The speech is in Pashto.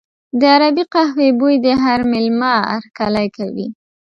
د عربي قهوې بوی د هر مېلمه هرکلی کوي.